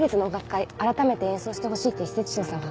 改めて演奏してほしいって施設長さんが。